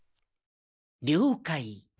了解！